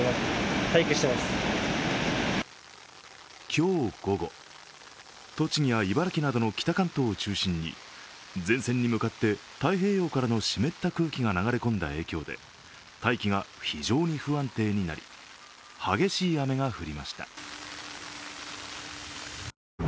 今日午後、栃木や茨城などの北関東を中心に前線に向かって太平洋からの湿った空気が流れ込んだ影響で大気が非常に不安定になり激しい雨が降りました。